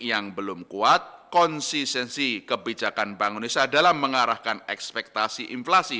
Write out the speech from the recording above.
yang belum kuat konsistensi kebijakan bank indonesia dalam mengarahkan ekspektasi inflasi